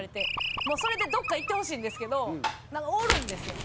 もうそれでどっか行ってほしいんですけどなんかおるんですよ。